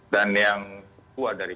dan yang kuat dari